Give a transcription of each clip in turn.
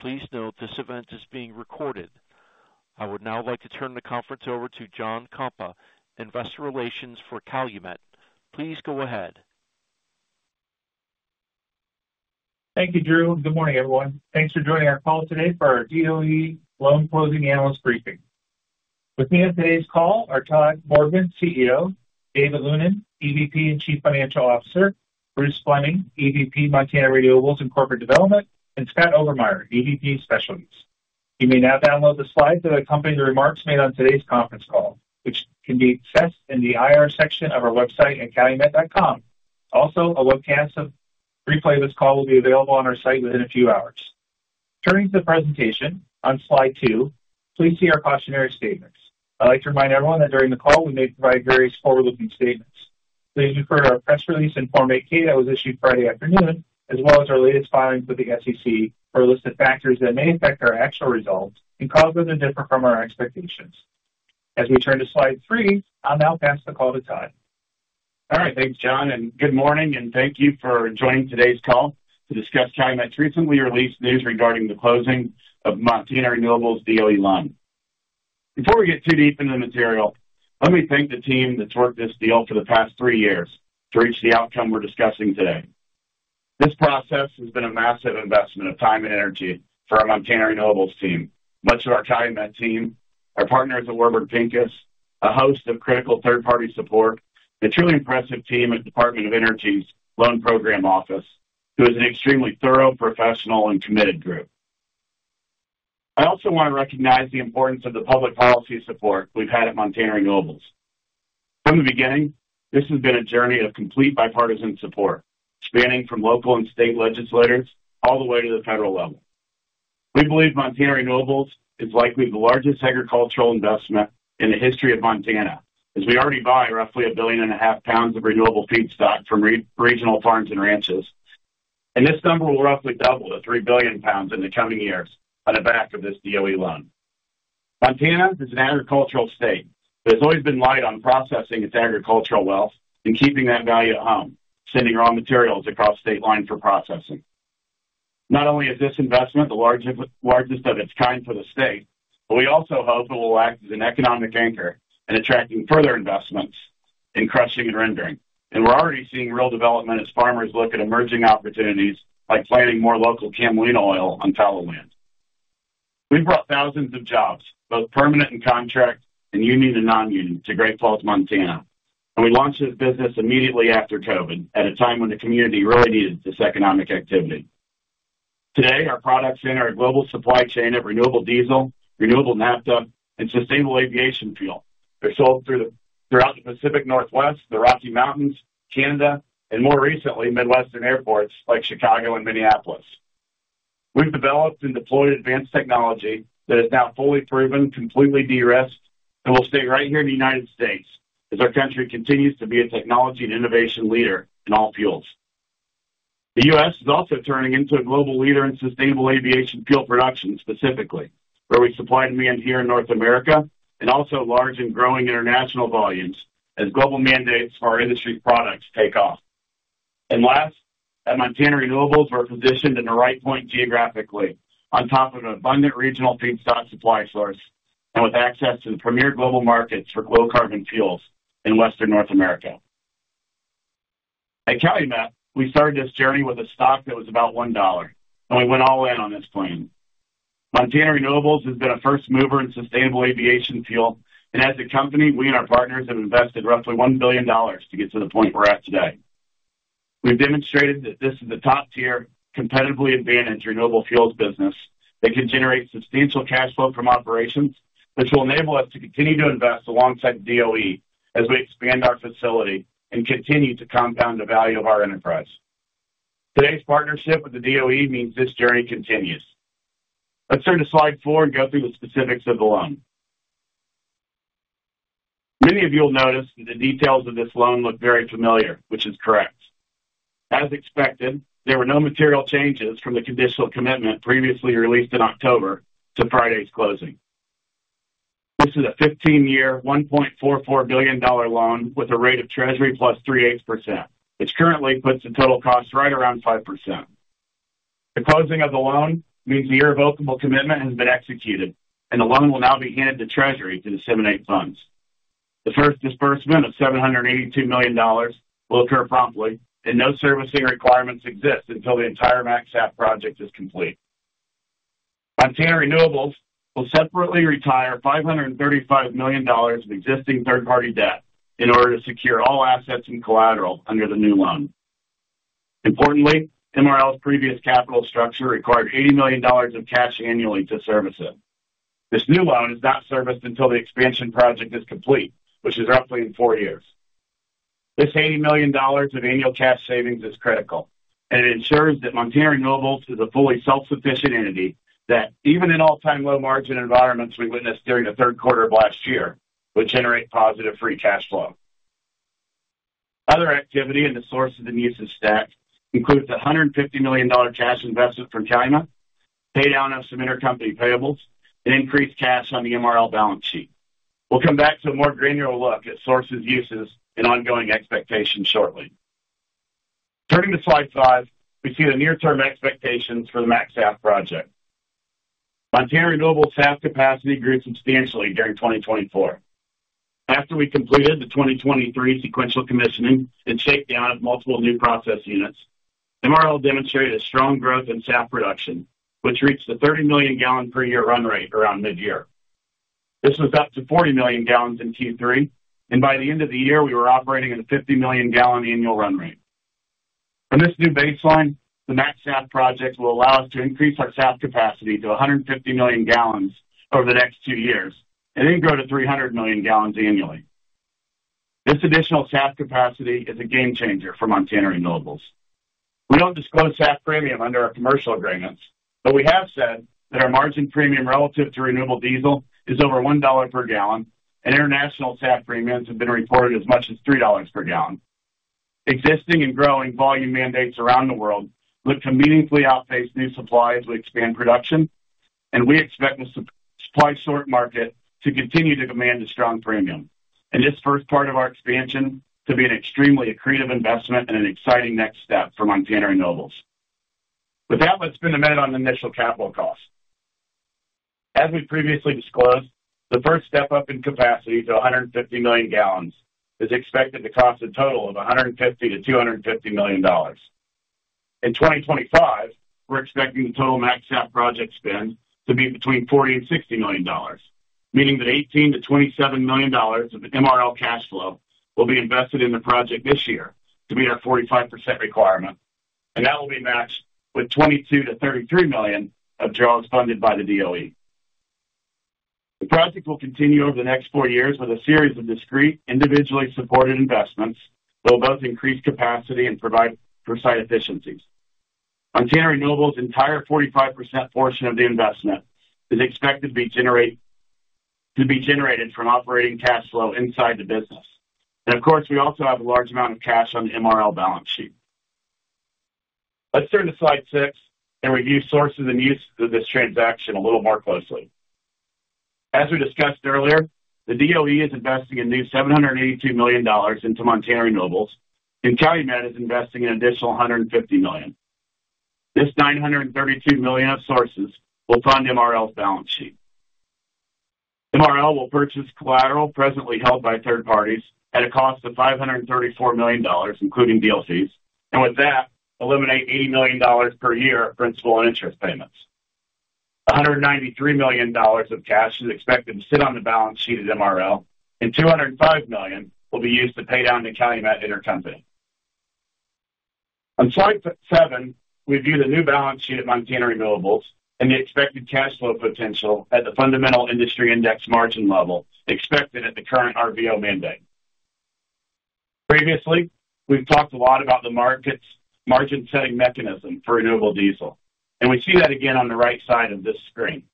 Please note this event is being recorded. I would now like to turn the conference over to John Kompa, Investor Relations for Calumet. Please go ahead. Thank you, Drew. Good morning, everyone. Thanks for joining our call today for our DOE loan closing analyst briefing. With me on today's call are Todd Borgman, CEO, David Lunin, EVP and Chief Financial Officer, Bruce Fleming, EVP, Montana Renewables and Corporate Development, and Scott Obermeier, EVP Specialties. You may now download the slides that accompany the remarks made on today's conference call, which can be accessed in the IR section of our website at calumet.com. Also, a webcast of the briefing call will be available on our site within a few hours. Turning to the presentation, on slide two, please see our cautionary statements. I'd like to remind everyone that during the call, we may provide various forward-looking statements. Please refer to our press release in Form 8-K that was issued Friday afternoon, as well as our latest filings with the SEC for a list of factors that may affect our actual results and cause them to differ from our expectations. As we turn to slide three, I'll now pass the call to Todd. All right. Thanks, John. And good morning, and thank you for joining today's call to discuss Calumet's recently released news regarding the closing of Montana Renewables' DOE loan. Before we get too deep into the material, let me thank the team that's worked this deal for the past three years to reach the outcome we're discussing today. This process has been a massive investment of time and energy for our Montana Renewables team, much of our Calumet team, our partners at Warburg Pincus, a host of critical third-party support, and a truly impressive team at the Department of Energy's Loan Programs Office, who is an extremely thorough, professional, and committed group. I also want to recognize the importance of the public policy support we've had at Montana Renewables. From the beginning, this has been a journey of complete bipartisan support, spanning from local and state legislators all the way to the federal level. We believe Montana Renewables is likely the largest agricultural investment in the history of Montana, as we already buy roughly a billion and a half pounds of renewable feedstock from regional farms and ranches. And this number will roughly double to three billion pounds in the coming years on the back of this DOE loan. Montana is an agricultural state that has always been light on processing its agricultural wealth and keeping that value at home, sending raw materials across state lines for processing. Not only is this investment the largest of its kind for the state, but we also hope it will act as an economic anchor in attracting further investments in crushing and rendering. And we're already seeing real development as farmers look at emerging opportunities like planting more local Camelina oil on fallow land. We've brought thousands of jobs, both permanent and contract, and union and non-union to Great Falls, Montana. And we launched this business immediately after COVID, at a time when the community really needed this economic activity. Today, our products enter a global supply chain of renewable diesel, renewable naphtha, and sustainable aviation fuel. They're sold throughout the Pacific Northwest, the Rocky Mountains, Canada, and more recently, Midwestern airports like Chicago and Minneapolis. We've developed and deployed advanced technology that is now fully proven, completely de-risked, and will stay right here in the United States as our country continues to be a technology and innovation leader in all fuels. The U.S. Is also turning into a global leader in sustainable aviation fuel production, specifically, where we supply demand here in North America and also large and growing international volumes as global mandates for our industry products take off. And last, at Montana Renewables, we're positioned in the right point geographically on top of an abundant regional feedstock supply source and with access to the premier global markets for low-carbon fuels in Western North America. At Calumet, we started this journey with a stock that was about $1, and we went all in on this plan. Montana Renewables has been a first mover in sustainable aviation fuel, and as a company, we and our partners have invested roughly $1 billion to get to the point we're at today. We've demonstrated that this is a top-tier, competitively advantaged renewable fuels business that can generate substantial cash flow from operations, which will enable us to continue to invest alongside the DOE as we expand our facility and continue to compound the value of our enterprise. Today's partnership with the DOE means this journey continues. Let's turn to slide four and go through the specifics of the loan. Many of you will notice that the details of this loan look very familiar, which is correct. As expected, there were no material changes from the conditional commitment previously released in October to Friday's closing. This is a 15-year, $1.44 billion loan with a rate of Treasury plus 3/8%. It currently puts the total cost right around 5%. The closing of the loan means the irrevocable commitment has been executed, and the loan will now be handed to Treasury to disseminate funds. The first disbursement of $782 million will occur promptly, and no servicing requirements exist until the entire MaxSAF project is complete. Montana Renewables will separately retire $535 million of existing third-party debt in order to secure all assets and collateral under the new loan. Importantly, MRL's previous capital structure required $80 million of cash annually to service it. This new loan is not serviced until the expansion project is complete, which is roughly in four years. This $80 million of annual cash savings is critical, and it ensures that Montana Renewables is a fully self-sufficient entity that, even in all-time low-margin environments we witnessed during the third quarter of last year, will generate positive free cash flow. Other activity in the sources and usage stack includes a $150 million cash investment from China, pay down of some intercompany payables, and increased cash on the MRL balance sheet. We'll come back to a more granular look at sources, uses, and ongoing expectations shortly. Turning to slide five, we see the near-term expectations for the MaxSAF project. Montana Renewables' SAF capacity grew substantially during 2024. After we completed the 2023 sequential commissioning and shakedown of multiple new process units, MRL demonstrated a strong growth in SAF production, which reached a 30 million-gallon-per-year run rate around mid-year. This was up to 40 million gallons in Q3, and by the end of the year, we were operating at a 50 million-gallon annual run rate. From this new baseline, the MaxSAF project will allow us to increase our SAF capacity to 150 million gallons over the next two years and then grow to 300 million gallons annually. This additional SAF capacity is a game changer for Montana Renewables. We don't disclose SAF premium under our commercial agreements, but we have said that our margin premium relative to renewable diesel is over $1 per gallon, and international SAF premiums have been reported as much as $3 per gallon. Existing and growing volume mandates around the world look to meaningfully outpace new supplies to expand production, and we expect the supply-short market to continue to demand a strong premium. This first part of our expansion could be an extremely accretive investment and an exciting next step for Montana Renewables. With that, let's spend a minute on the initial capital cost. As we previously disclosed, the first step up in capacity to 150 million gallons is expected to cost a total of $150 million-$250 million. In 2025, we're expecting the total MaxSAF project spend to be between $40 million and $60 million, meaning that $18 million-$27 million of MRL cash flow will be invested in the project this year to meet our 45% requirement, and that will be matched with $22 million-$33 million of draws funded by the DOE. The project will continue over the next four years with a series of discreet, individually supported investments that will both increase capacity and provide for site efficiencies. Montana Renewables' entire 45% portion of the investment is expected to be generated from operating cash flow inside the business. Of course, we also have a large amount of cash on the MRL balance sheet. Let's turn to slide six and review sources and uses of this transaction a little more closely. As we discussed earlier, the DOE is investing a new $782 million into Montana Renewables, and Calumet is investing an additional $150 million. This $932 million of sources will fund MRL's balance sheet. MRL will purchase collateral presently held by third parties at a cost of $534 million, including DOCs, and with that, eliminate $80 million per year of principal and interest payments. $193 million of cash is expected to sit on the balance sheet at MRL, and $205 million will be used to pay down to Calumet intercompany. On slide seven, we view the new balance sheet at Montana Renewables and the expected cash flow potential at the fundamental industry index margin level expected at the current RVO mandate. Previously, we've talked a lot about the market's margin-setting mechanism for renewable diesel, and we see that again on the right side of this screen.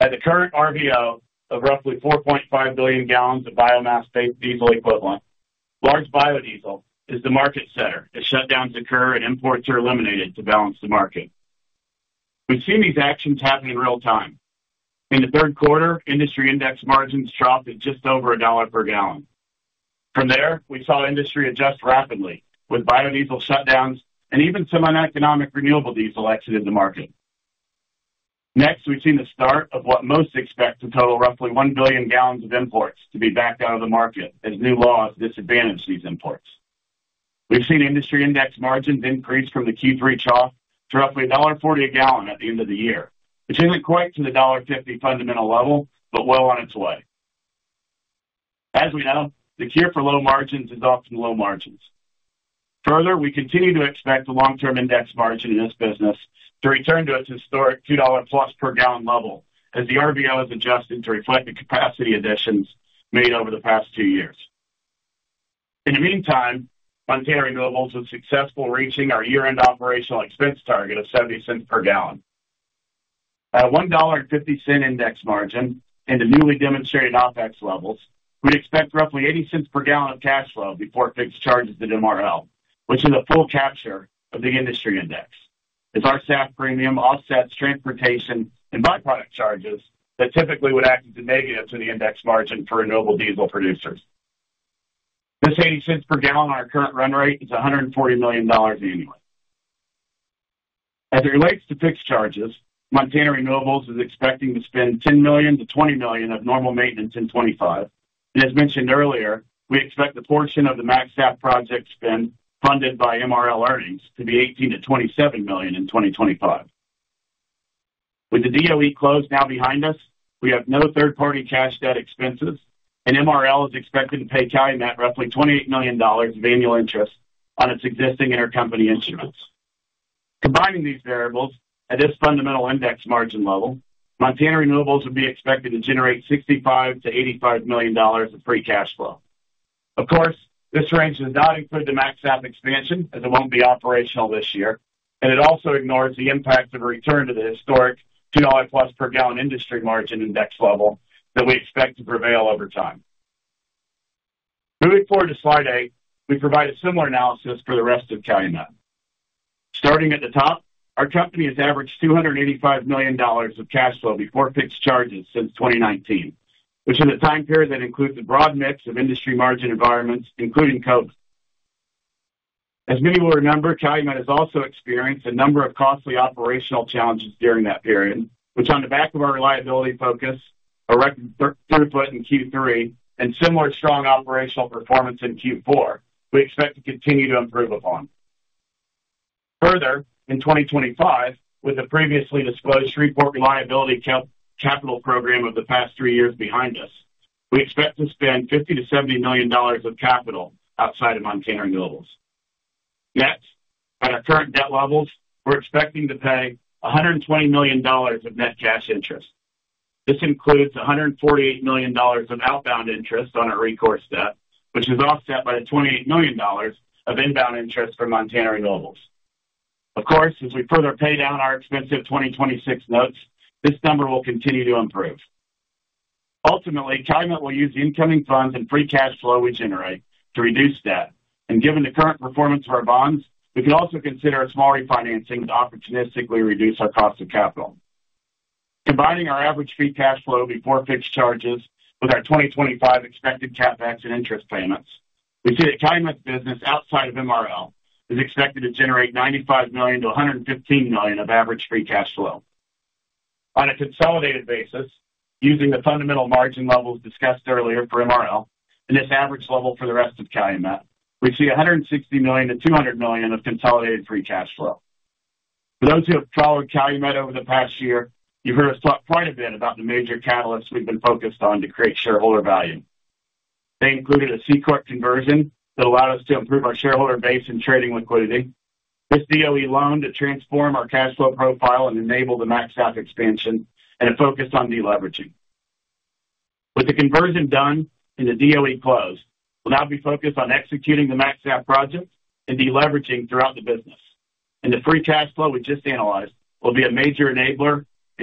At the current RVO of roughly 4.5 billion gallons of biomass-based diesel equivalent, large biodiesel is the market setter as shutdowns occur and imports are eliminated to balance the market. We've seen these actions happen in real time. In the third quarter, industry index margins dropped to just over $1 per gallon. From there, we saw industry adjust rapidly with biodiesel shutdowns and even some uneconomic renewable diesel exited the market. Next, we've seen the start of what most expect to total roughly 1 billion gallons of imports to be backed out of the market as new laws disadvantage these imports. We've seen industry index margins increase from the Q3 low to roughly $1.40 a gallon at the end of the year, which isn't quite to the $1.50 fundamental level, but well on its way. As we know, the cure for low margins is often low margins. Further, we continue to expect the long-term index margin in this business to return to its historic $2 plus per gallon level as the RVO is adjusting to reflect the capacity additions made over the past two years. In the meantime, Montana Renewables was successful reaching our year-end operational expense target of $0.70 per gallon. At a $1.50 index margin and the newly demonstrated OPEX levels, we expect roughly $0.80 per gallon of cash flow before fixed charges at MRL, which is a full capture of the industry index. It's our SAF premium, offsets, transportation, and byproduct charges that typically would act as a negative to the index margin for renewable diesel producers. This $0.80 per gallon on our current run rate is $140 million annually. As it relates to fixed charges, Montana Renewables is expecting to spend $10 million-$20 million of normal maintenance in 2025, and as mentioned earlier, we expect the portion of the MaxSAF project spend funded by MRL earnings to be $18 million-$27 million in 2025. With the DOE closed now behind us, we have no third-party cash debt expenses, and MRL is expected to pay Calumet roughly $28 million of annual interest on its existing intercompany instruments. Combining these variables, at this fundamental index margin level, Montana Renewables would be expected to generate $65 million-$85 million of free cash flow. Of course, this range does not include the MaxSAF expansion, as it won't be operational this year, and it also ignores the impact of a return to the historic $2 plus per gallon industry margin index level that we expect to prevail over time. Moving forward to slide eight, we provide a similar analysis for the rest of Calumet. Starting at the top, our company has averaged $285 million of cash flow before fixed charges since 2019, which is a time period that includes a broad mix of industry margin environments, including COVID. As many will remember, Calumet has also experienced a number of costly operational challenges during that period, which, on the back of our reliability focus, a record throughput in Q3, and similar strong operational performance in Q4, we expect to continue to improve upon. Further, in 2025, with the previously disclosed three-quarter reliability capital program of the past three years behind us, we expect to spend $50 million-$70 million of capital outside of Montana Renewables. Next, at our current debt levels, we're expecting to pay $120 million of net cash interest. This includes $148 million of outbound interest on our recourse debt, which is offset by the $28 million of inbound interest for Montana Renewables. Of course, as we further pay down our expensive 2026 notes, this number will continue to improve. Ultimately, Calumet will use the incoming funds and free cash flow we generate to reduce debt, and given the current performance of our bonds, we can also consider a small refinancing to opportunistically reduce our cost of capital. Combining our average free cash flow before fixed charges with our 2025 expected CapEx and interest payments, we see that Calumet's business outside of MRL is expected to generate $95 million-$115 million of average free cash flow. On a consolidated basis, using the fundamental margin levels discussed earlier for MRL and this average level for the rest of Calumet, we see $160 million-$200 million of consolidated free cash flow. For those who have followed Calumet over the past year, you've heard us talk quite a bit about the major catalysts we've been focused on to create shareholder value. They included a C-Corp conversion that allowed us to improve our shareholder base and trading liquidity, this DOE loan to transform our cash flow profile and enable the MaxSAF expansion, and a focus on deleveraging. With the conversion done and the DOE closed, we'll now be focused on executing the MaxSAF project and deleveraging throughout the business, and the free cash flow we just analyzed will be a major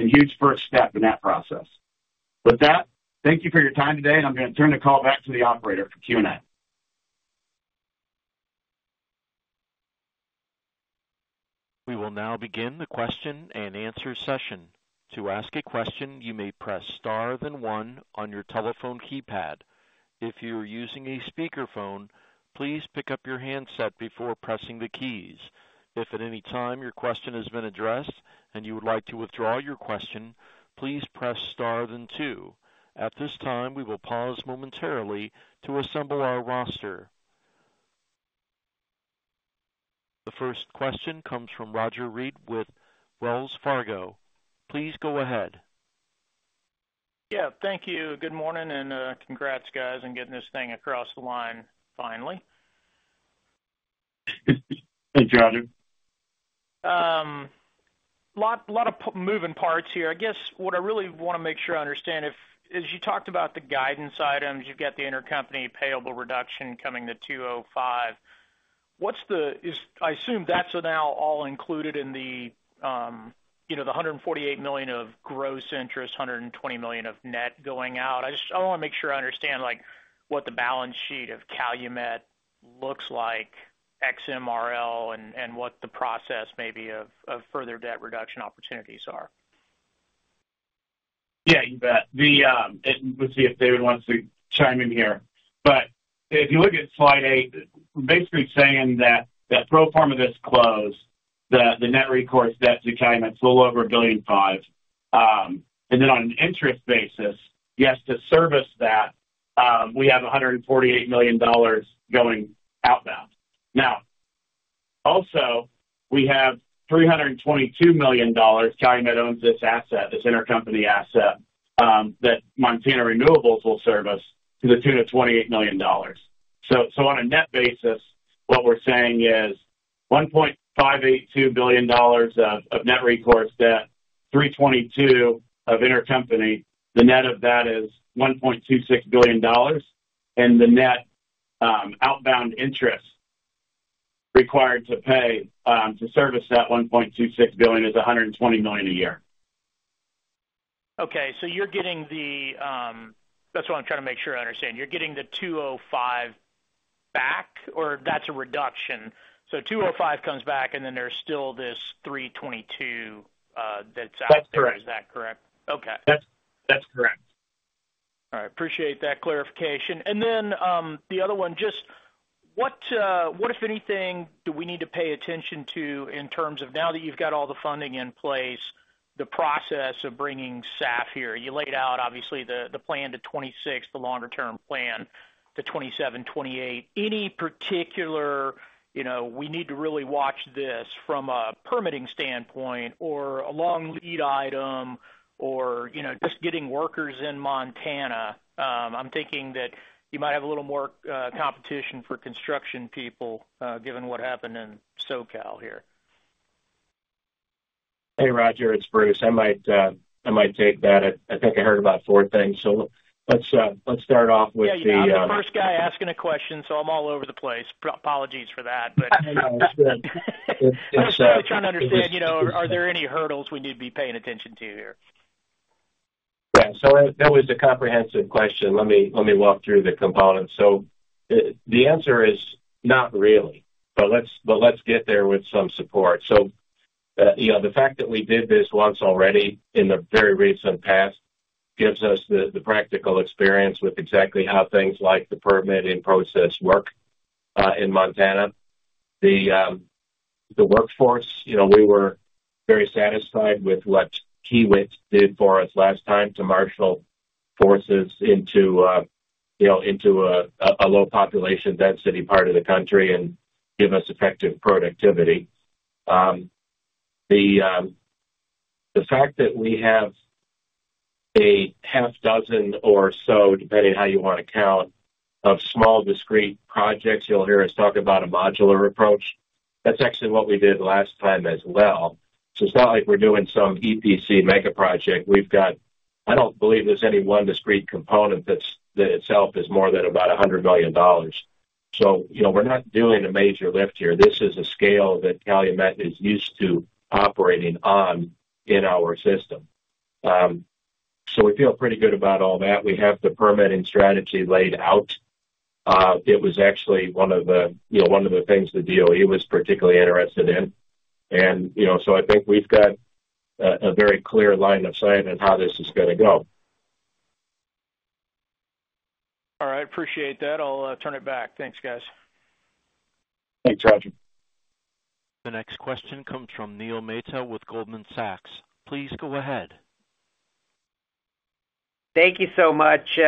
enabler and huge first step in that process. With that, thank you for your time today, and I'm going to turn the call back to the operator for Q&A. We will now begin the question and answer session. To ask a question, you may press star then one on your telephone keypad. If you're using a speakerphone, please pick up your handset before pressing the keys. If at any time your question has been addressed and you would like to withdraw your question, please press star then two. At this time, we will pause momentarily to assemble our roster. The first question comes from Roger Read with Wells Fargo. Please go ahead. Yeah, thank you. Good morning and congrats, guys, on getting this thing across the line finally. Thanks Roger. A lot of moving parts here. I guess what I really want to make sure I understand, as you talked about the guidance items, you've got the intercompany payable reduction coming to 205. I assume that's now all included in the $148 million of gross interest, $120 million of net going out. I want to make sure I understand what the balance sheet of Calumet looks like ex-MRL and what the process maybe of further debt reduction opportunities are. Yeah, you bet. Let's see if David wants to chime in here, but if you look at slide eight, basically saying that pro forma that's closed, the net recourse debt to Calumet's a little over $1.5 billion, and then on an interest basis, yes, to service that, we have $148 million going outbound. Now, also, we have $322 million Calumet owns this asset, this intercompany asset that Montana Renewables will service to the tune of $28 million. So on a net basis, what we're saying is $1.582 billion of net recourse debt, $322 million of intercompany. The net of that is $1.26 billion, and the net outbound interest required to pay to service that $1.26 billion is $120 million a year. Okay, so you're getting the—that's what I'm trying to make sure I understand. You're getting the $205 back, or that's a reduction. So $205 comes back, and then there's still this $322 that's out. That's correct. Is that correct? Okay. That's correct. All right. Appreciate that clarification. And then the other one, just what, if anything, do we need to pay attention to in terms of now that you've got all the funding in place, the process of bringing staff here? You laid out, obviously, the plan to 2026, the longer-term plan to 2027, 2028. Any particular, we need to really watch this from a permitting standpoint or a long lead item or just getting workers in Montana. I'm thinking that you might have a little more competition for construction people given what happened in SoCal here. Hey, Roger, it's Bruce. I might take that. I think I heard about four things. So let's start off with the. Yeah, I'm the first guy asking a question, so I'm all over the place. Apologies for that. I know. It's good. I'm just really trying to understand, are there any hurdles we need to be paying attention to here? Yeah, so that was a comprehensive question. Let me walk through the components. So the answer is not really, but let's get there with some support. So the fact that we did this once already in the very recent past gives us the practical experience with exactly how things like the permit and process work in Montana. The workforce, we were very satisfied with what Kiewit did for us last time to marshal forces into a low population density part of the country and give us effective productivity. The fact that we have a half dozen or so, depending on how you want to count, of small discrete projects, you'll hear us talk about a modular approach. That's actually what we did last time as well. So it's not like we're doing some EPC mega project. I don't believe there's any one discrete component that itself is more than about $100 million. So we're not doing a major lift here. This is a scale that Calumet is used to operating on in our system. So we feel pretty good about all that. We have the permitting strategy laid out. It was actually one of the things the DOE was particularly interested in. And so I think we've got a very clear line of sight on how this is going to go. All right. Appreciate that. I'll turn it back. Thanks, guys. Thanks, Roger. The next question comes from Neil Mehta with Goldman Sachs. Please go ahead. Thank you so much.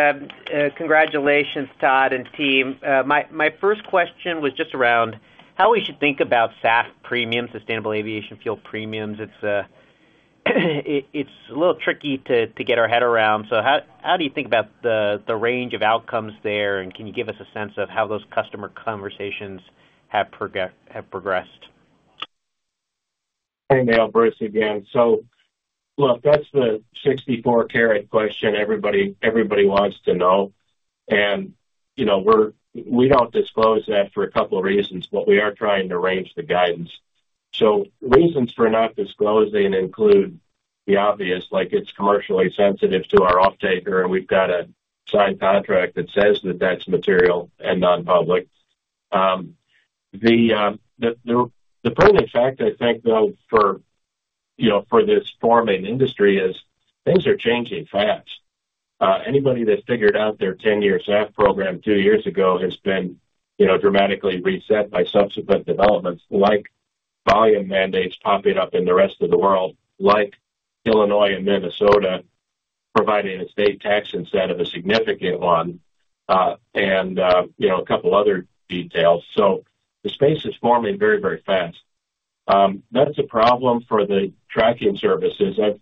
Congratulations, Todd and team. My first question was just around how we should think about SAF premiums, sustainable aviation fuel premiums. It's a little tricky to get our head around. So how do you think about the range of outcomes there, and can you give us a sense of how those customer conversations have progressed? Hey, Neil, Bruce again. So look, that's the 64-dollar question everybody wants to know. And we don't disclose that for a couple of reasons, but we are trying to arrange the guidance. So reasons for not disclosing include the obvious, like it's commercially sensitive to our off-taker, and we've got a signed contract that says that that's material and non-public. The pertinent fact, I think, though, for this forming industry is things are changing fast. Anybody that figured out their 10-year SAF program two years ago has been dramatically reset by subsequent developments like volume mandates popping up in the rest of the world, like Illinois and Minnesota providing a state tax incentive, a significant one, and a couple of other details. So the space is forming very, very fast. That's a problem for the tracking services. I've seen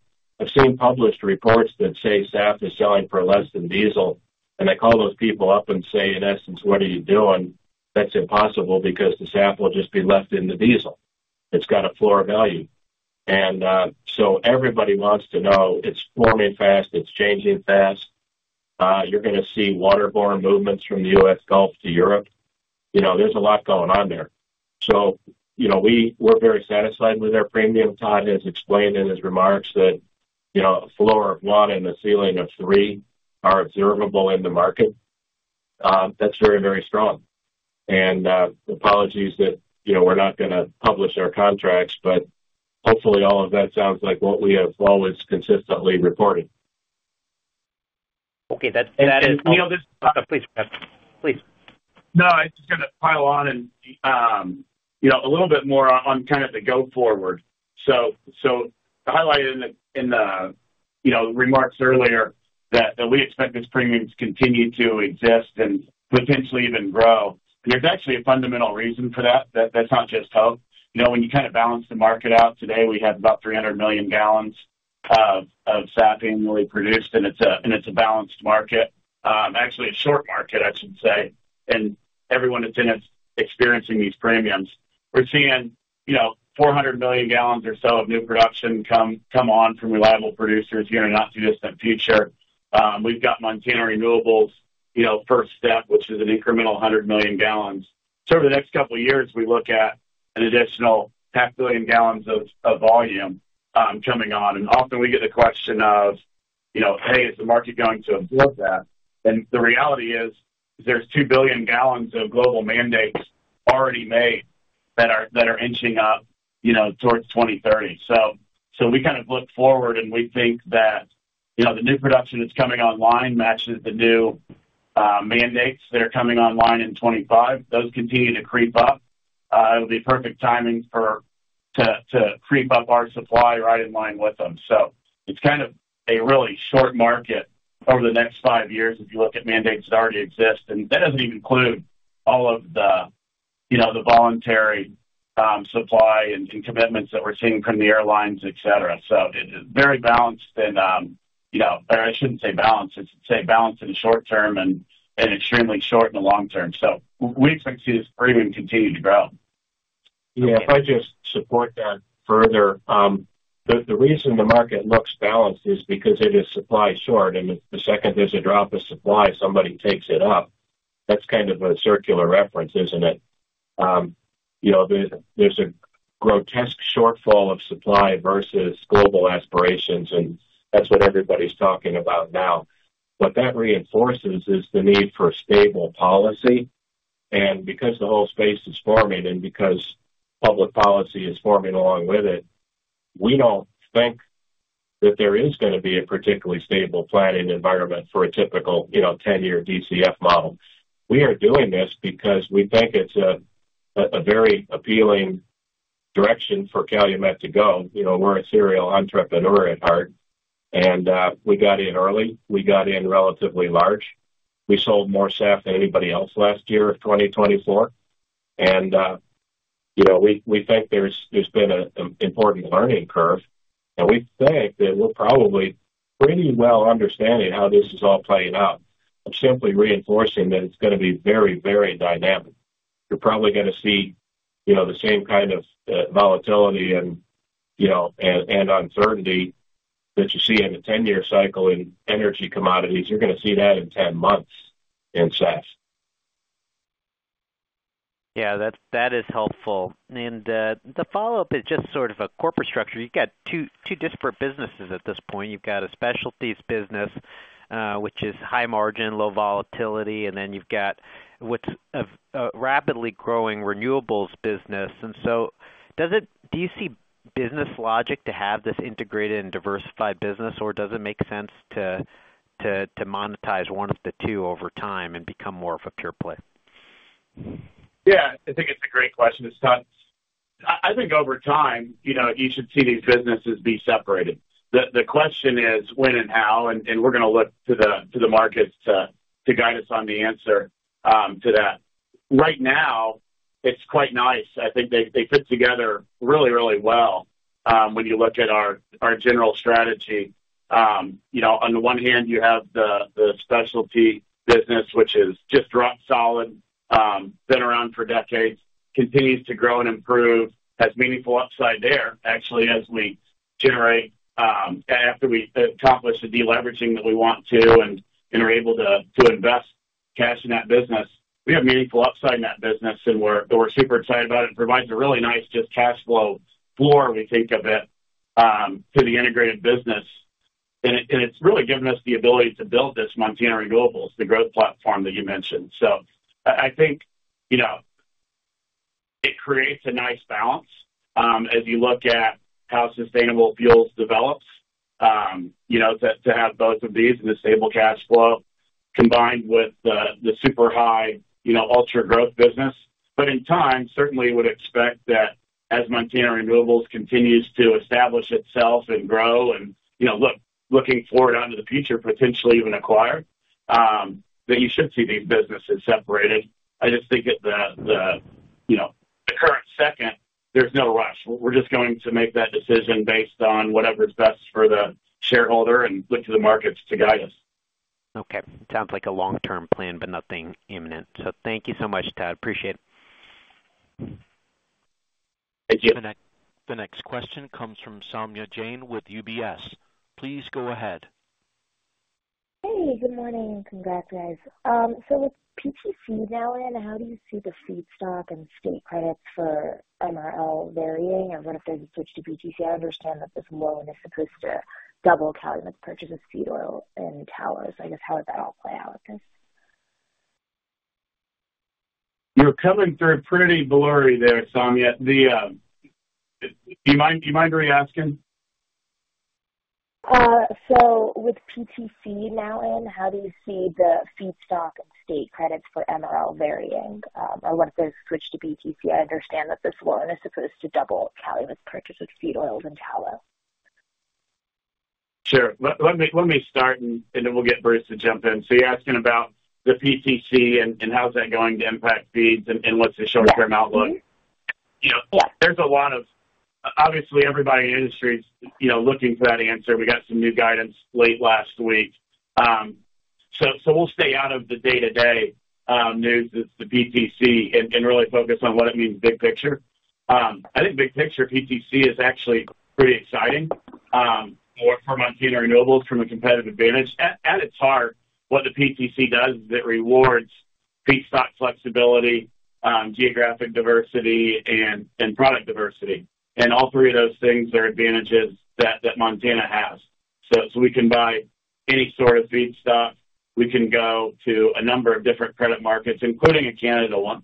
published reports that say SAF is selling for less than diesel, and they call those people up and say, in essence, what are you doing? That's impossible because the SAF will just be left in the diesel. It's got a floor value. And so everybody wants to know it's forming fast, it's changing fast. You're going to see waterborne movements from the U.S. Gulf to Europe. There's a lot going on there. So we're very satisfied with our premium. Todd has explained in his remarks that a floor of one and a ceiling of three are observable in the market. That's very, very strong. And apologies that we're not going to publish our contracts, but hopefully all of that sounds like what we have always consistently reported. Okay. That is Neil, please go ahead. No, I just got to pile on and a little bit more on kind of the go-forward. So I highlighted in the remarks earlier that we expect these premiums to continue to exist and potentially even grow. There's actually a fundamental reason for that. That's not just hope. When you kind of balance the market out today, we have about 300 million gallons of SAF annually produced, and it's a balanced market, actually a short market, I should say, and everyone is experiencing these premiums. We're seeing 400 million gallons or so of new production come on from reliable producers here in the not-too-distant future. We've got Montana Renewables' first step, which is an incremental 100 million gallons. Over the next couple of years, we look at an additional 500 million gallons of volume coming on. Often we get the question of, hey, is the market going to absorb that? And the reality is there's 2 billion gallons of global mandates already made that are inching up towards 2030. So we kind of look forward, and we think that the new production that's coming online matches the new mandates that are coming online in 2025. Those continue to creep up. It'll be perfect timing to creep up our supply right in line with them. So it's kind of a really short market over the next five years if you look at mandates that already exist. And that doesn't even include all of the voluntary supply and commitments that we're seeing from the airlines, etc. So it's very balanced. And I shouldn't say balanced. I should say balanced in the short term and extremely short in the long term. So we expect to see this premium continue to grow. Yeah, if I just support that further, the reason the market looks balanced is because it is supply short. And the second there's a drop of supply, somebody takes it up. That's kind of a circular reference, isn't it? There's a grotesque shortfall of supply versus global aspirations, and that's what everybody's talking about now. What that reinforces is the need for stable policy, and because the whole space is forming and because public policy is forming along with it, we don't think that there is going to be a particularly stable planning environment for a typical 10-year DCF model. We are doing this because we think it's a very appealing direction for Calumet to go. We're a serial entrepreneur at heart, and we got in early. We got in relatively large. We sold more SAF than anybody else last year of 2024, and we think there's been an important learning curve, and we think that we're probably pretty well understanding how this is all playing out. I'm simply reinforcing that it's going to be very, very dynamic. You're probably going to see the same kind of volatility and uncertainty that you see in a 10-year cycle in energy commodities. You're going to see that in 10 months in SAF. Yeah, that is helpful. And the follow-up is just sort of a corporate structure. You've got two disparate businesses at this point. You've got a specialties business, which is high margin, low volatility. And then you've got what's a rapidly growing renewables business. And so do you see business logic to have this integrated and diversified business, or does it make sense to monetize one of the two over time and become more of a pure play? Yeah, I think it's a great question. I think over time, you should see these businesses be separated. The question is when and how, and we're going to look to the markets to guide us on the answer to that. Right now, it's quite nice. I think they fit together really, really well when you look at our general strategy. On the one hand, you have the specialty business, which has just rock solid, been around for decades, continues to grow and improve, has meaningful upside there, actually, as we generate after we accomplish the deleveraging that we want to and are able to invest cash in that business. We have meaningful upside in that business, and we're super excited about it. It provides a really nice just cash flow floor, we think, of it to the integrated business. And it's really given us the ability to build this Montana Renewables, the growth platform that you mentioned. So, I think it creates a nice balance as you look at how sustainable fuels develops to have both of these and the stable cash flow combined with the super high ultra growth business. But in time, certainly, we would expect that as Montana Renewables continues to establish itself and grow and looking forward out into the future, potentially even acquire, that you should see these businesses separated. I just think at the current second, there's no rush. We're just going to make that decision based on whatever's best for the shareholder and look to the markets to guide us. Okay. It sounds like a long-term plan, but nothing imminent. So thank you so much, Todd. Appreciate it. Thank you. The next question comes from Saumya Jain with UBS. Please go ahead. Hey, good morning. Congrats, guys. So with PTC now in, how do you see the feedstock and state credits for MRL varying? I wonder if there's a switch to PTC. I understand that this loan is supposed to double Calumet's purchase of seed oils and tallow. I guess how would that all play out with this? You're coming through pretty blurry there, Saumya. Do you mind re-asking? So with PTC now in, how do you see the feedstock and state credits for MRL varying? I wonder if there's a switch to PTC. I understand that this loan is supposed to double Calumet's purchase of seed oils and tallow. Sure. Let me start, and then we'll get Bruce to jump in. So you're asking about the PTC and how's that going to impact feeds and what's the short-term outlook? Yeah. There's a lot of obviously, everybody in the industry is looking for that answer. We got some new guidance late last week. So we'll stay out of the day-to-day news that's the PTC and really focus on what it means big picture. I think big picture, PTC is actually pretty exciting for Montana Renewables from a competitive advantage. At its heart, what the PTC does is it rewards feedstock flexibility, geographic diversity, and product diversity. And all three of those things are advantages that Montana has. So we can buy any sort of feedstock. We can go to a number of different credit markets, including a Canadian one,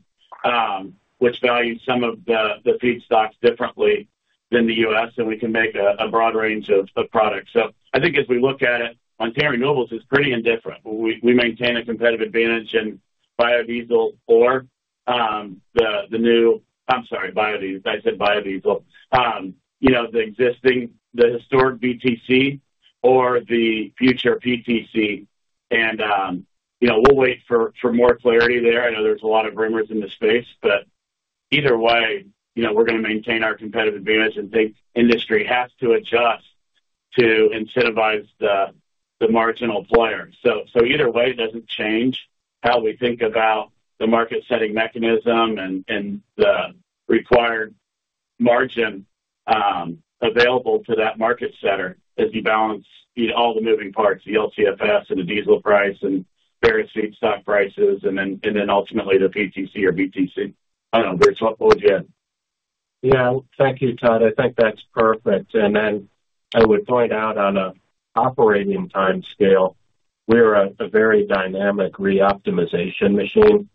which values some of the feedstocks differently than the U.S., and we can make a broad range of products. So I think as we look at it, Montana Renewables is pretty indifferent. We maintain a competitive advantage in biodiesel or the new, I'm sorry, biodiesel. I said biodiesel. The existing, the historic BTC or the future PTC. And we'll wait for more clarity there. I know there's a lot of rumors in the space, but either way, we're going to maintain our competitive advantage and think industry has to adjust to incentivize the marginal player. So either way, it doesn't change how we think about the market-setting mechanism and the required margin available to that market setter as you balance all the moving parts, the LCFS and the diesel price and various feedstock prices, and then ultimately the PTC or BTC. I don't know, Bruce, what would you add? Yeah, thank you, Todd. I think that's perfect. And then I would point out on an operating time scale, we're a very dynamic re-optimization machine.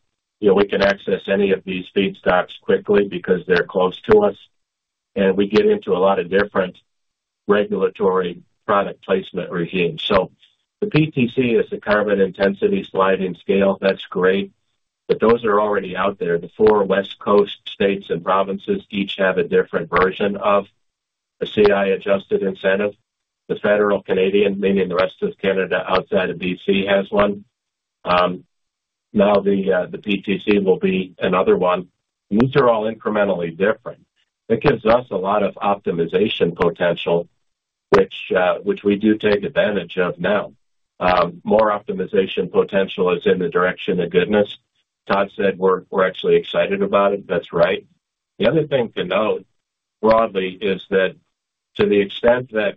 We can access any of these feedstocks quickly because they're close to us, and we get into a lot of different regulatory product placement regimes. So the PTC is the carbon intensity sliding scale. That's great. But those are already out there. The four West Coast states and provinces each have a different version of the CI-adjusted incentive. The federal Canadian, meaning the rest of Canada outside of BC, has one. Now the PTC will be another one. These are all incrementally different. It gives us a lot of optimization potential, which we do take advantage of now. More optimization potential is in the direction of goodness. Todd said we're actually excited about it. That's right. The other thing to note broadly is that to the extent that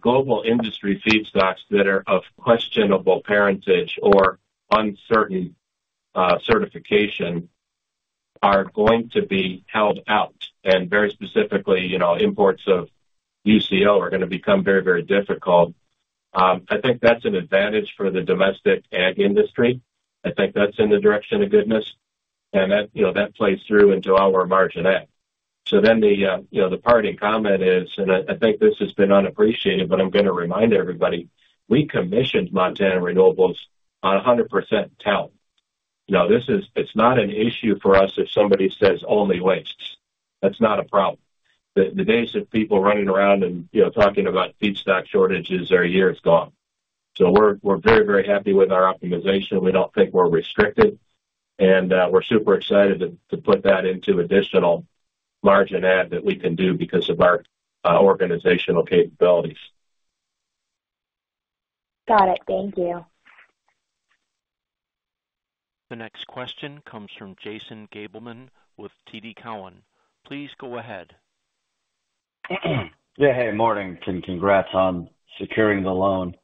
global industry feedstocks that are of questionable parentage or uncertain certification are going to be held out, and very specifically, imports of UCO are going to become very, very difficult. I think that's an advantage for the domestic ag industry. I think that's in the direction of goodness, and that plays through into our margin ag. So then the parting comment is, and I think this has been unappreciated, but I'm going to remind everybody, we commissioned Montana Renewables on 100% talent. Now, it's not an issue for us if somebody says only waste. That's not a problem. The days of people running around and talking about feedstock shortages are years gone. So we're very, very happy with our optimization. We don't think we're restricted, and we're super excited to put that into additional margin ag that we can do because of our organizational capabilities. Got it. Thank you. The next question comes from Jason Gabelman with TD Cowen. Please go ahead. Yeah, hey, morning. Congrats on securing the loan.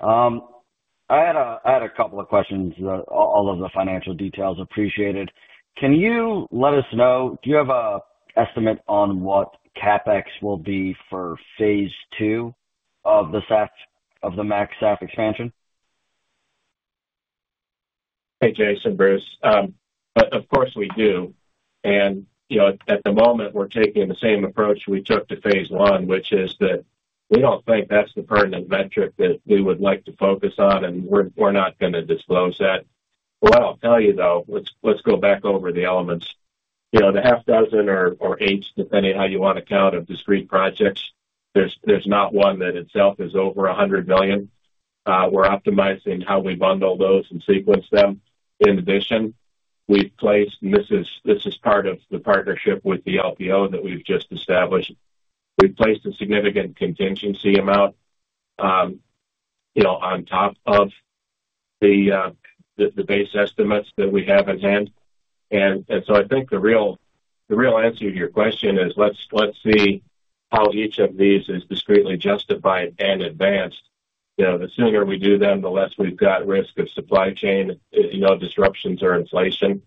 I had a couple of questions. All of the financial details appreciated. Can you let us know, do you have an estimate on what CapEx will be for phase two of the MaxSAF expansion? Hey, Jason, Bruce. Of course, we do. At the moment, we're taking the same approach we took to phase one, which is that we don't think that's the pertinent metric that we would like to focus on, and we're not going to disclose that. What I'll tell you, though, let's go back over the elements. The half dozen or eight, depending on how you want to count, of discrete projects, there's not one that itself is over $100 million. We're optimizing how we bundle those and sequence them. In addition, we've placed, and this is part of the partnership with the LPO that we've just established, a significant contingency amount on top of the base estimates that we have in hand. And so I think the real answer to your question is let's see how each of these is discretely justified and advanced. The sooner we do them, the less we've got risk of supply chain disruptions or inflation.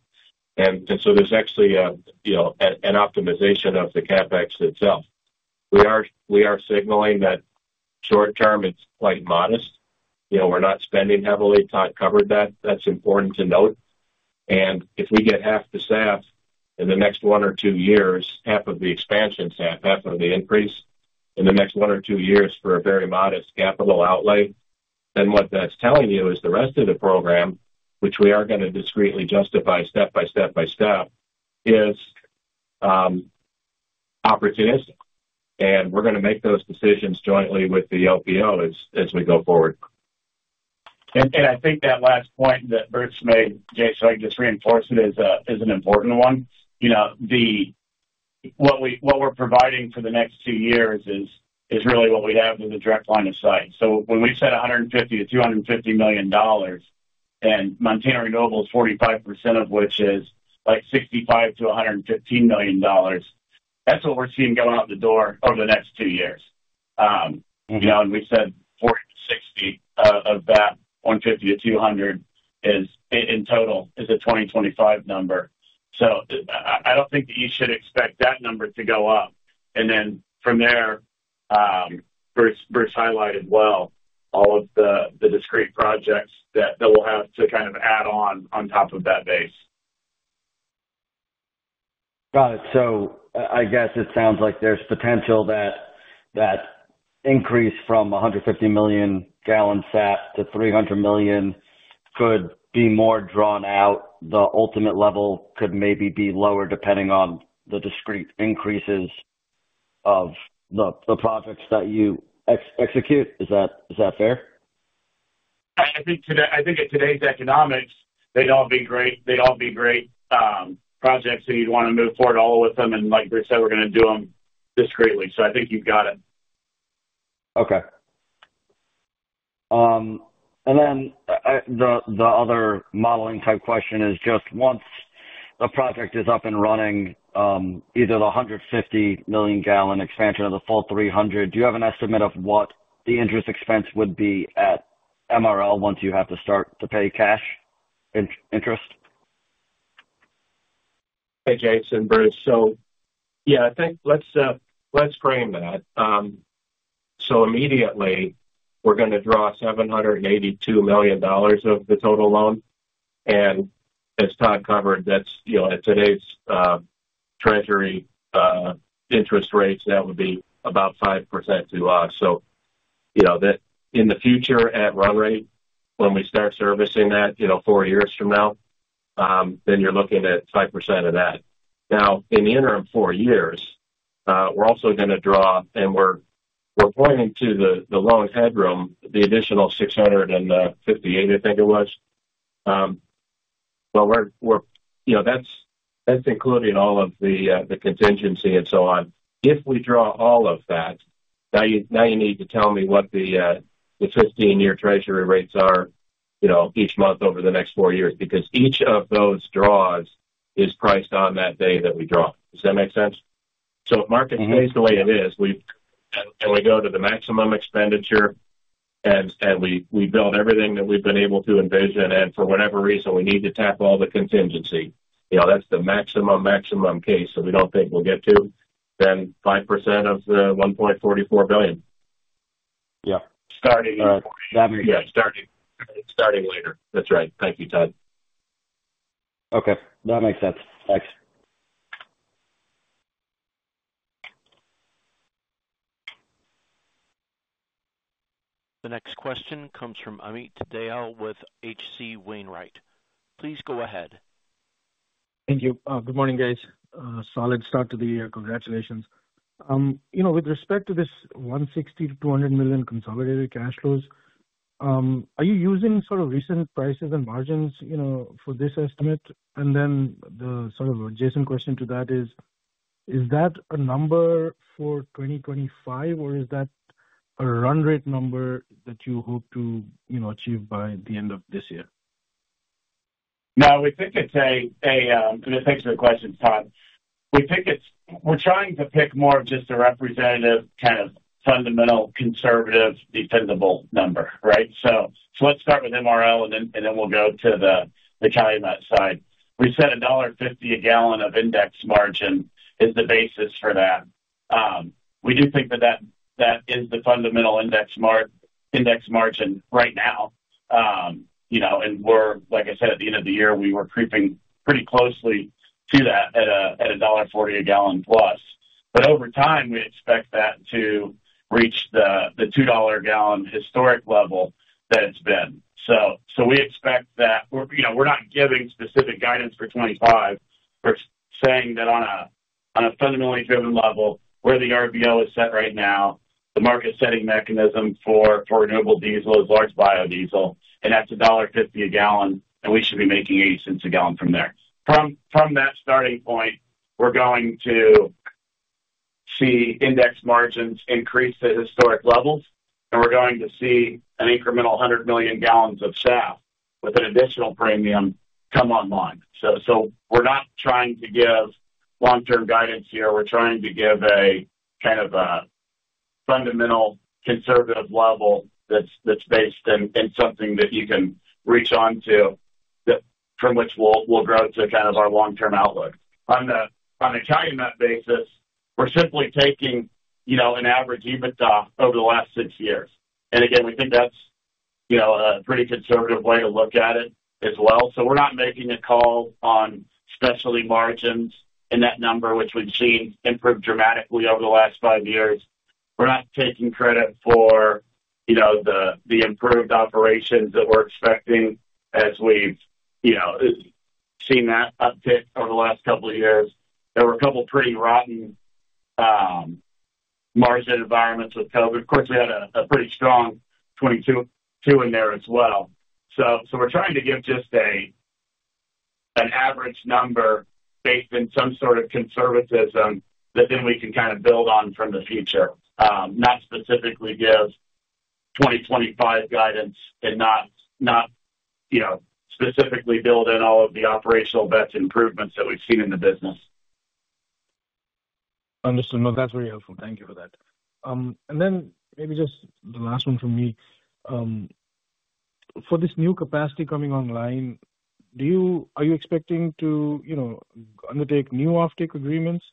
And so there's actually an optimization of the CapEx itself. We are signaling that short-term, it's quite modest. We're not spending heavily. Todd covered that. That's important to note. And if we get half the SAF in the next one or two years, half of the expansion SAF, half of the increase in the next one or two years for a very modest capital outlay, then what that's telling you is the rest of the program, which we are going to discretely justify step by step by step, is opportunistic. And we're going to make those decisions jointly with the LPO as we go forward. I think that last point that Bruce made, Jason, I can just reinforce it, is an important one. What we're providing for the next two years is really what we have in the direct line of sight. So when we said $150 million-$250 million, and Montana Renewables, 45% of which is like $65 million-$115 million, that's what we're seeing going out the door over the next two years. And we said $40 million-$60 million of that $150 million-$200 million in total is a 2025 number. So I don't think that you should expect that number to go up. And then from there, Bruce highlighted well all of the discrete projects that we'll have to kind of add on on top of that base. Got it. So I guess it sounds like there's potential that increase from 150 million-gallon SAF to 300 million could be more drawn out. The ultimate level could maybe be lower depending on the discrete increases of the projects that you execute. Is that fair? I think in today's economics, they'd all be great. They'd all be great projects, and you'd want to move forward all with them. And like Bruce said, we're going to do them discretely. So I think you've got it. Okay. And then the other modeling type question is just once the project is up and running, either the 150 million-gallon expansion or the full 300, do you have an estimate of what the interest expense would be at MRL once you have to start to pay cash interest? Hey, Jason, Bruce. So yeah, I think let's frame that. So immediately, we're going to draw $782 million of the total loan. And as Todd covered, that's at today's Treasury interest rates, that would be about 5% to us. So in the future at run rate, when we start servicing that four years from now, then you're looking at 5% of that. Now, in the interim four years, we're also going to draw, and we're pointing to the loan headroom, the additional $658 million, I think it was. Well, that's including all of the contingency and so on. If we draw all of that, now you need to tell me what the 15-year Treasury rates are each month over the next four years because each of those draws is priced on that day that we draw. Does that make sense? So if market stays the way it is, and we go to the maximum expenditure, and we build everything that we've been able to envision, and for whatever reason, we need to tap all the contingency, that's the maximum maximum case that we don't think we'll get to, then 5% of the $1.44 billion. Yeah. Starting in four years. Yeah, starting later. That's right. Thank you, Todd. Okay. That makes sense. Thanks. The next question comes from Amit Dayal with H.C. Wainwright. Please go ahead. Thank you. Good morning, guys. Solid start to the year. Congratulations. With respect to this $160 million-200 million consolidated cash flows, are you using sort of recent prices and margins for this estimate? Then the sort of adjacent question to that is, is that a number for 2025, or is that a run rate number that you hope to achieve by the end of this year? No, we think it's a—and it takes your question, Todd. We're trying to pick more of just a representative kind of fundamental conservative defendable number, right? So let's start with MRL, and then we'll go to the Calumet side. We said $1.50 a gallon of index margin is the basis for that. We do think that that is the fundamental index margin right now. And like I said, at the end of the year, we were creeping pretty closely to that at $1.40 a gallon plus. But over time, we expect that to reach the $2 a gallon historic level that it's been. So we expect that we're not giving specific guidance for 2025. We're saying that on a fundamentally driven level, where the RVO is set right now, the market-setting mechanism for renewable diesel is large biodiesel, and that's $1.50 a gallon, and we should be making $0.80 a gallon from there. From that starting point, we're going to see index margins increase to historic levels, and we're going to see an incremental 100 million gallons of SAF with an additional premium come online. So we're not trying to give long-term guidance here. We're trying to give a kind of fundamental conservative level that's based in something that you can latch onto from which we'll grow to kind of our long-term outlook. On the Calumet basis, we're simply taking an average EBITDA over the last six years. And again, we think that's a pretty conservative way to look at it as well. So we're not making a call on specialty margins in that number, which we've seen improve dramatically over the last five years. We're not taking credit for the improved operations that we're expecting as we've seen that uptick over the last couple of years. There were a couple of pretty rotten margin environments with COVID. Of course, we had a pretty strong 2022 in there as well. So we're trying to give just an average number based in some sort of conservatism that then we can kind of build on from the future, not specifically give 2025 guidance and not specifically build in all of the operational bets improvements that we've seen in the business. Understood. No, that's very helpful. Thank you for that. And then maybe just the last one from me. For this new capacity coming online, are you expecting to undertake new offtake agreements,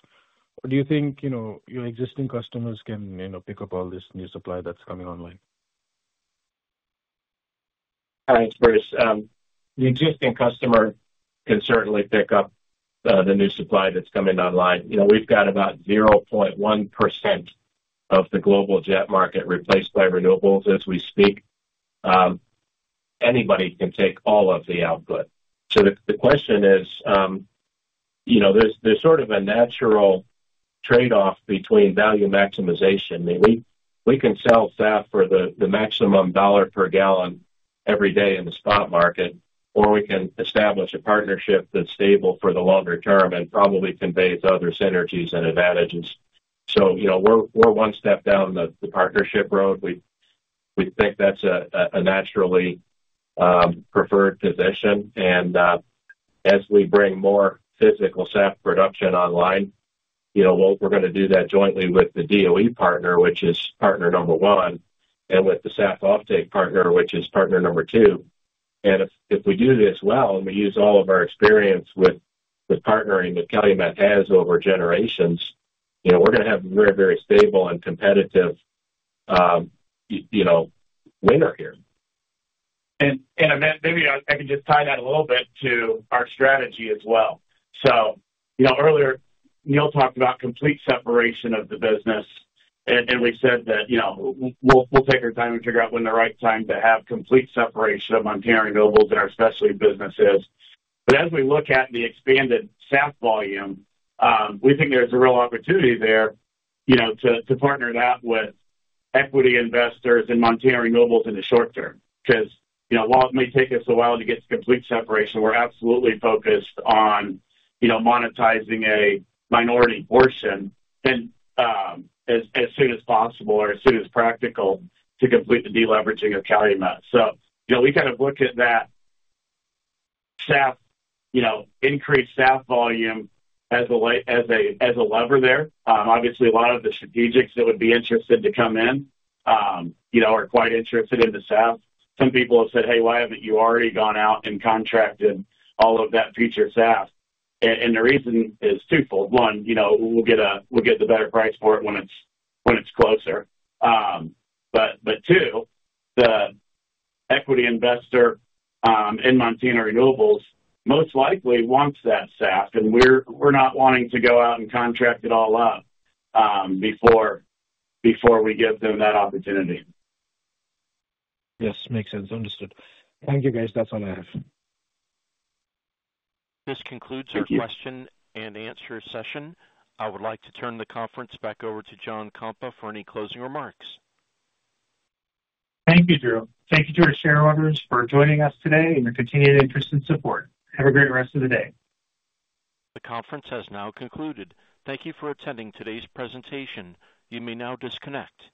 or do you think your existing customers can pick up all this new supply that's coming online? Thanks, Bruce. The existing customer can certainly pick up the new supply that's coming online. We've got about 0.1% of the global jet market replaced by renewables as we speak. Anybody can take all of the output. So the question is, there's sort of a natural trade-off between value maximization. We can sell SAF for the maximum $ per gallon every day in the spot market, or we can establish a partnership that's stable for the longer term and probably conveys other synergies and advantages. So we're one step down the partnership road. We think that's a naturally preferred position. As we bring more physical SAF production online, we're going to do that jointly with the DOE partner, which is partner number one, and with the SAF offtake partner, which is partner number two. If we do this well and we use all of our experience with partnering that Calumet has over generations, we're going to have a very, very stable and competitive winner here. Maybe I can just tie that a little bit to our strategy as well. Earlier, Neil talked about complete separation of the business, and we said that we'll take our time and figure out when the right time to have complete separation of Montana Renewables and our specialty business is. As we look at the expanded SAF volume, we think there's a real opportunity there to partner that with equity investors in Montana Renewables in the short term. Because while it may take us a while to get to complete separation, we're absolutely focused on monetizing a minority portion as soon as possible or as soon as practical to complete the deleveraging of Calumet. So we kind of look at that increased SAF volume as a lever there. Obviously, a lot of the strategics that would be interested to come in are quite interested in the SAF. Some people have said, "Hey, why haven't you already gone out and contracted all of that future SAF?" And the reason is twofold. One, we'll get the better price for it when it's closer. But two, the equity investor in Montana Renewables most likely wants that SAF, and we're not wanting to go out and contract it all up before we give them that opportunity. Yes, makes sense. Understood. Thank you, guys. That's all I have. This concludes our question and answer session. I would like to turn the conference back over to John Kompa for any closing remarks. Thank you, Drew. Thank you to our shareholders for joining us today and your continued interest and support. Have a great rest of the day. The conference has now concluded. Thank you for attending today's presentation. You may now disconnect.